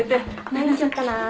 何にしよっかなー。